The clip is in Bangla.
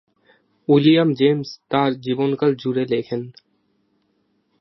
উইলিয়াম জেমস তাঁর জীবনকাল জুড়ে লেখেন।